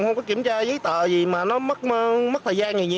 không có kiểm tra giấy tờ gì mà nó mất thời gian nhiều nhiều